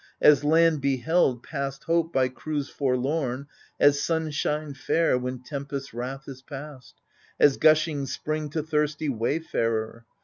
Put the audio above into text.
As land beheld, past hope, by crews forlorn, As sunshine fair when tempest's wrath is past, As gushing spring to thirsty wayfarer.